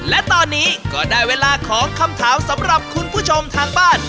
และตอนนี้ก็ได้เวลาของคำถามสำหรับคุณผู้ชมทางบ้าน